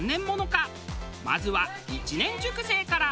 まずは１年熟成から。